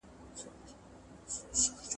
شاه شجاع ته معاش ورکول پلان شوی و.